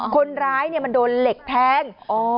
คนร้ายมันโดนเหล็กแทง